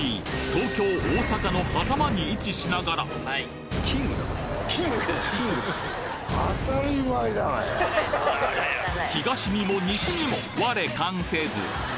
東京大阪の狭間に位置しながら東にも西にも我関せず！